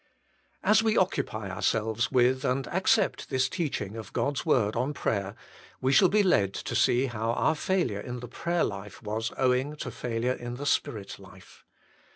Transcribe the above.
As we occupy ourselves with and accept this teaching of God s Word on prayer, we shall be led to see how our failure in the prayer life was owing to failure in the Spirit life.